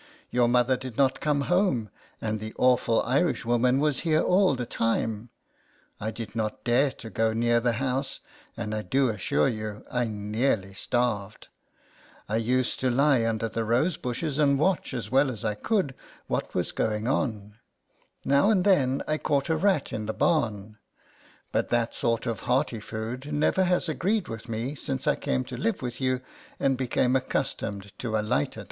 Your mother did not come home; and the awful Irishwoman was here all the time. I did not dare to go near the house, and I do assure you I nearly starved : I used to lie under the rose bushes, and watch as well as I could what was going on : now and then I caught a rat in the barn, but that sort of hearty food never has agreed with me since I came to live with you, and became accustomed to a lighter LETTERS FROM A CAT.